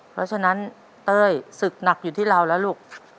เพราะฉะนั้นเต้ยศึกหนักอยู่ที่เราแล้วลูก